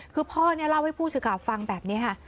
คือพ่อเนี่ยเล่าให้ผู้สื่อข่าวฟังแบบนี้ค่ะ